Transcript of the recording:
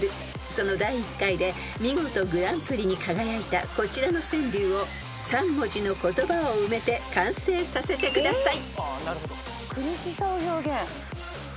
［その第１回で見事グランプリに輝いたこちらの川柳を３文字の言葉を埋めて完成させてください］